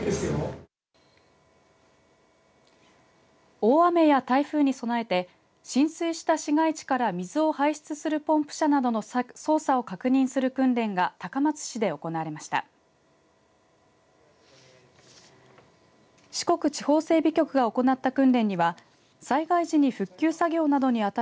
大雨や台風に備えて浸水した市街地から水を排出するポンプ車などの操作を確認する訓練が高松市で行われました。